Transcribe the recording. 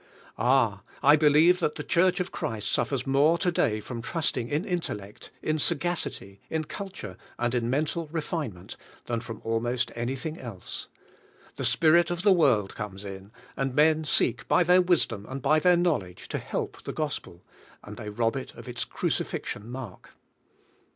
Ah, I believe that the Church of Christ suffers more to day from trusting in intellect, in sagacity, in culture, and in mental refinement, than from almost anything else. The Spirit of the world comes in, and men seek by their wisdom, and by their knowledge, to help the Gospel, and they rob it of its crucifixion mark.